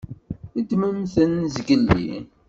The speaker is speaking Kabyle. Ddment-ten zgelli.